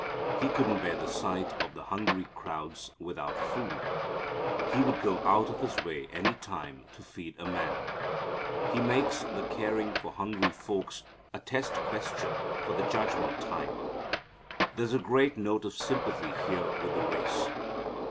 He couldn't bear the sight of the hungry crowds without food. He would go out of His way any time to feed a man. He makes the caring for hungry folks a test question for the judgment time. There's a great note of sympathy here with the race.